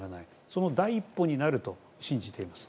その第一歩になると信じています。